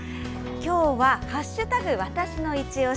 今日は「＃わたしのいちオシ」。